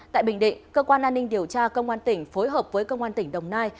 tại bình định cơ quan an ninh điều tra công an tỉnh phối hợp với công an tỉnh đồng nai